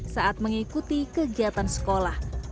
saat mengikuti kegiatan sekolah